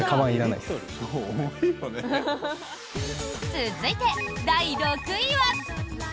続いて、第６位は。